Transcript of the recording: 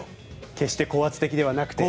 決して高圧的ではなくて。